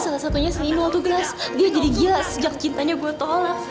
salah satunya senimal tuh blas dia jadi gila sejak cintanya gue tolak